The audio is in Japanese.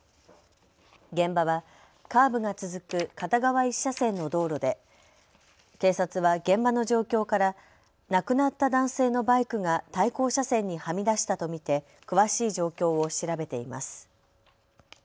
現場はカーブが続く片側１車線の道路で警察は現場の状況から亡くなった男性のバイクが対向車線にはみ出したと見て詳しい状況を調べています。